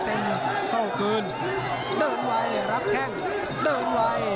โต้คืนเดินไว้รับแข้งเดินไว